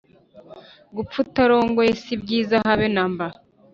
gupfa utarongoye si byiza habe namba